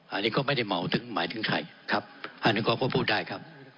อันนี้ก็ไม่ได้เหมาถึงหมายถึงใครครับอันนี้เขาก็พูดได้ครับ